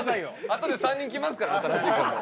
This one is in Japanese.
あとで３人来ますから新しい子も。